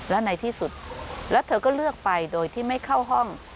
และในที่สุดแล้วเธอก็เลือกไปโดยที่ไม่เข้าห้อง